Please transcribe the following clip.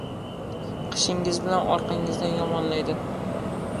qishingiz bilan orqangizdan yomonlaydi...